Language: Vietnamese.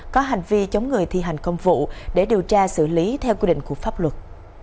có hành vi chống người thi hành công vụ để điều tra xử lý theo quy định của pháp luật